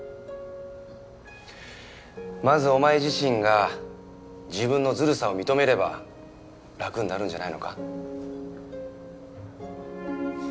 まずお前自身が自分のずるさを認めれば楽になるんじゃないのか？